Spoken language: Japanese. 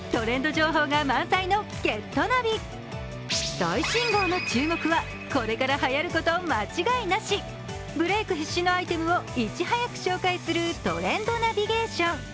最新号の注目はこれからはやること間違いなし、ブレーク必至のアイテムをいち早く紹介するトレンドナビゲーション。